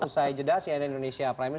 usai jeda cnn indonesia prime news